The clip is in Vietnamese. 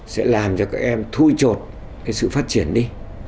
sẽ làm cho các em thui trột cái sự phát triển đi